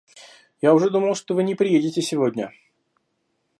Я уже думал, что вы не приедете сегодня.